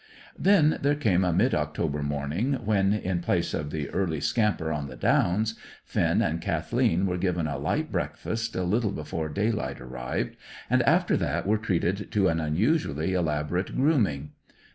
Then there came a mid October morning when, in place of the early scamper on the Downs, Finn and Kathleen were given a light breakfast a little before daylight arrived, and after that were treated to an unusually elaborate grooming.